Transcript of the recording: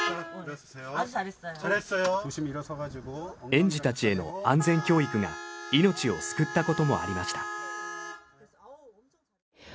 園児たちへの安全教育が命を救ったこともありました。